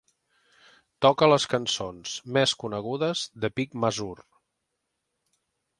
Toca les cançons més conegudes d'Epic Mazur.